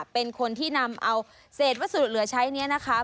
เป็นคนที่นำเอาเศษวัสดุเหลือใช้นี้นะคะ